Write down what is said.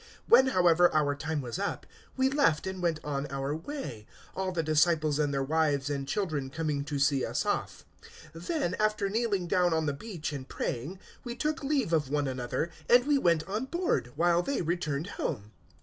021:005 When, however, our time was up, we left and went on our way, all the disciples and their wives and children coming to see us off. Then, after kneeling down on the beach and praying, 021:006 we took leave of one another; and we went on board, while they returned home.